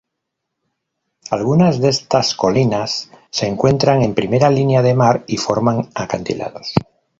Algunas de estas colinas se encuentran en primera línea de mar y forman acantilados.